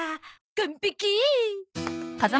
完璧！